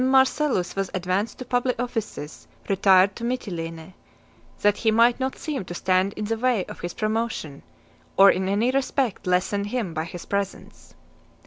Marcellus was advanced to public offices, retired to Mitylene, that he might not seem to stand in the way of his promotion, or in any respect lessen him by his presence.